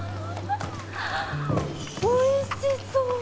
おいしそう！